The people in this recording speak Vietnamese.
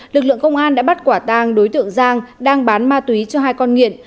lực lượng công an đã bắt quả tang đối tượng giang đang bán ma túy cho hai con nghiện